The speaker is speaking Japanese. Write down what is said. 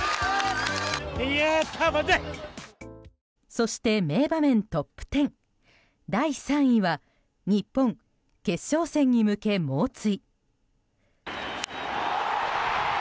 そして、名場面トップ１０第３位は日本、決勝戦に向け猛追。